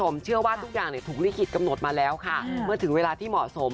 เมื่อถึงเวลาที่เหมาะสม